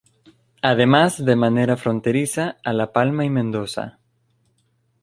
Además, de manera fronteriza, a La Pampa y Mendoza.